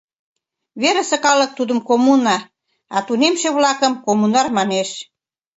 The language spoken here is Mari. Верысе калык тудым коммуна, а тунемше-влакым коммунар манеш.